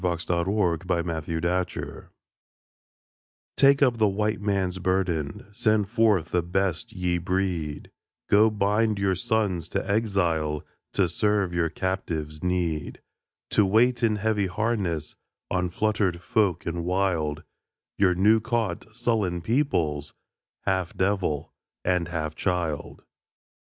VII THE WHITE MAN'S BURDEN 1899 Take up the White Man's burden Send forth the best ye breed Go bind your sons to exile To serve your captives' need; To wait in heavy harness, On fluttered folk and wild Your new caught, sullen peoples, Half devil and half child.